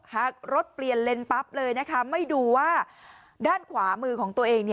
หากรถเปลี่ยนเลนปั๊บเลยนะคะไม่ดูว่าด้านขวามือของตัวเอง